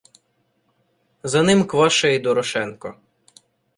За ним Кваша і Дорошенко.